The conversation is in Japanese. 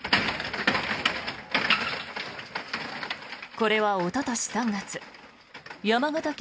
これはおととし３月山形県